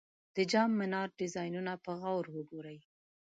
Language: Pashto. د جام منار ډیزاینونه په غور وګورئ.